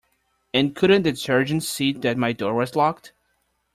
And couldn't the sergeant see that my door was locked?